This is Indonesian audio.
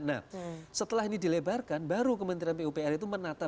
nah setelah ini dilebarkan baru kementerian pupr itu menata